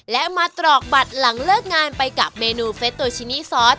และมาตรอกบัตรหลังเลิกงานไปกับเมนูเฟสโตชินีซอส